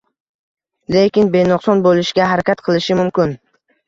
Lekin benuqson bo‘lishga harakat qilishi mumkin.